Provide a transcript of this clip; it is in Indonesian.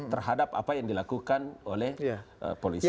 terhadap apa yang dilakukan oleh polisi